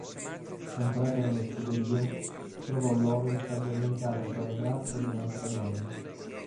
Entrata nelle scuderie, trovò Lawrence addormentato fra le braccia di un'altra donna.